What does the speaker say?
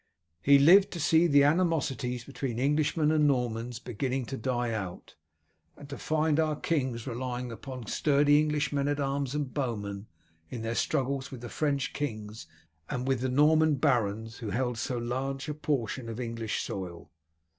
He lived to see the animosities between Englishmen and Normans beginning to die out, and to find our kings relying upon sturdy English men at arms and bow men in their struggles with French kings and with the Norman barons who held so large a portion of English soil.